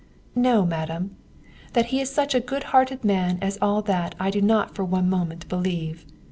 No, madam. That he is such a good hearted man as all that I do not for one moment believe.